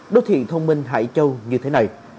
đô thị thông minh hải châu như thế này